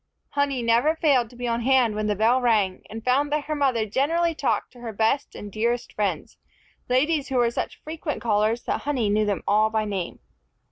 Honey never failed to be on hand when the bell rang, and found that her mother generally talked to her best and dearest friends, ladies who were such frequent callers that Honey knew them all by name.